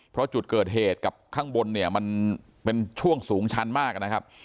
เพราะจุดเกิดเหตุกับข้างบนเนี่ยมันเป็นช่วงสูงชั้นมากนะครับ